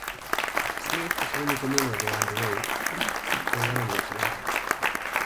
Smith es el único miembro de Underoath que ha ido a la universidad.